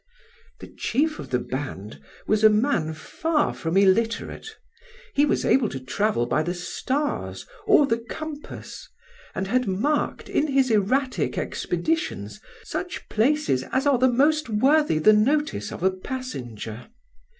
"The chief of the band was a man far from illiterate: he was able to travel by the stars or the compass, and had marked in his erratic expeditions such places as are most worthy the notice of a passenger.